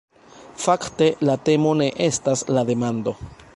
Fakte la temo ne estas la demando.